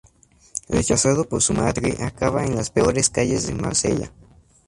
Rechazado por su madre, acaba en las peores calles de Marsella.